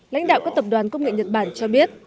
lãnh đạo các tập đoàn công nghệ nhật bản cho biết